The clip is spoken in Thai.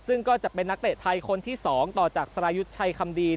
ซึ่งก็จะเป็นนักเตะไทยคนที่๒ต่อจากสรายุทธ์ชัยคำดี